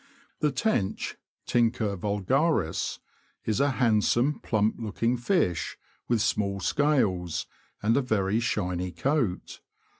The Tench (Tinea vulgaris) is a handsome, plump looking fish, with small scales' and a very shiny coat.